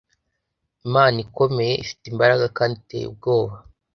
Imana ikomeye, ifite imbaraga kandi iteye ubwoba,